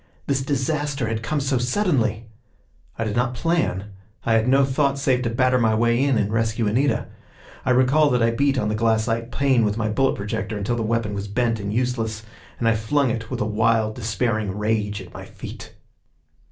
This disaster had come so suddenly! I did not plan; I had no thought save to batter my way in and rescue Anita. I recall that I beat on the glassite pane with my bullet projector until the weapon was bent and useless; and I flung it with a wild, despairing rage at my feet.